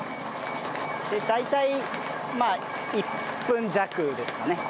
で大体１分弱ですかね。